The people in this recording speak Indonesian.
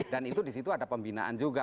dan itu di situ ada pembinaan juga